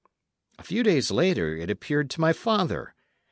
A few days later it appeared to my father.